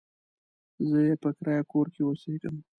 زه يې په کرايه کور کې اوسېږم.